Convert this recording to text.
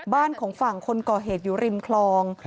บ้านของฝั่งคนก่อเหตุอยู่ริมคลอง